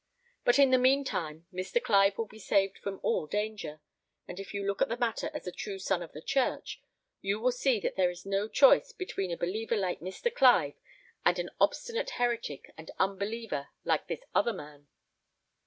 But in the mean time, Mr. Clive will be saved from all danger; and if you look at the matter as a true son of the church, you will see that there is no choice between a believer like Mr. Clive and an obstinate heretic and unbeliever like this other man."